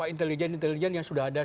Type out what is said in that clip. intelijen intelijen yang sudah ada